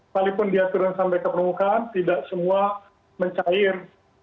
walaupun diatur sampai ke penuhkan tidak semua mencair